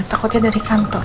takutnya dari kantor